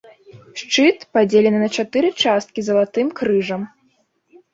Шчыт, падзелены на чатыры часткі залатым крыжам.